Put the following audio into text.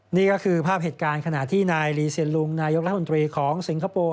นี่ก็คือภาพเหตุการณ์ขณะที่นายลีเซียนลุงนายกรัฐมนตรีของสิงคโปร์